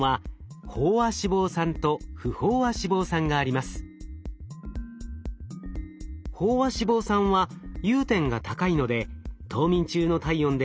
飽和脂肪酸は融点が高いので冬眠中の体温では固まってしまいます。